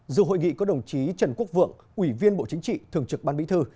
dù hội nghị có đồng chí trần quốc vượng ủy viên bộ chính trị thường trực ban bí thư